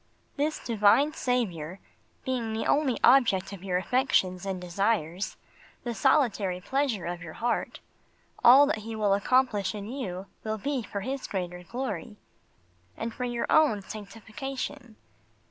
This Divine Saviour being the only object of your affections and desires, the solitary pleasure of your heart, all that He will accomplish in you will be for His greater glory, and for your own sanctification.